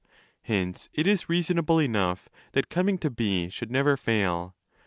Hence it is reasonable enough that coming to be should never fail.